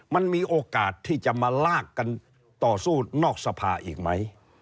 มันมีโอกาสที่จะมาลากกันต่อสู้นอกสภาอีกไหม